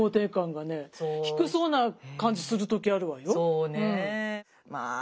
そうねえ。